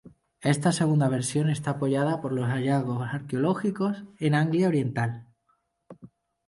Esta segunda versión está apoyada por los hallazgos arqueológicos en Anglia Oriental.